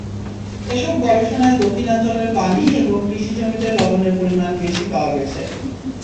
এসব গবেষণায় দক্ষিণাঞ্চলের পানি এবং কৃষি জমিতে লবণের পরিমাণ বেশি পাওয়া গেছে।